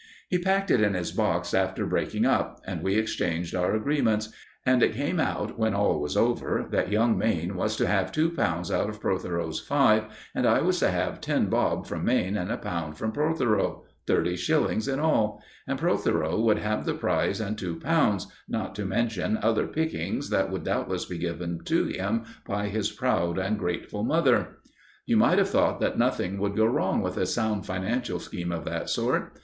He packed it in his box after "breaking up," and we exchanged our agreements; and it came out, when all was over, that young Mayne was to have two pounds out of Protheroe's five, and I was to have ten bob from Mayne and a pound from Protheroe thirty shillings in all; and Protheroe would have the prize and two pounds, not to mention other pickings, which would doubtless be given to him by his proud and grateful mother. You might have thought that nothing could go wrong with a sound financial scheme of that sort.